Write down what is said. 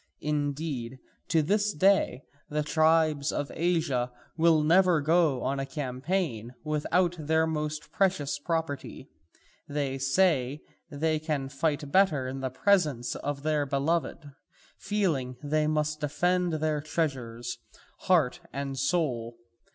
Indeed, to this day the tribes of Asia never go on a campaign without their most precious property: they say they can fight better in the presence of their beloved, feeling they must defend their treasures, heart and soul.